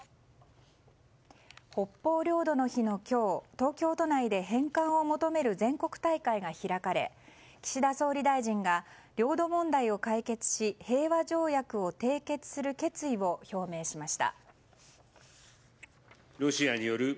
北方領土の日の今日東京都内で返還を求める全国大会が開かれ岸田総理大臣が領土問題を解決し平和条約を締結する決意を表明しました。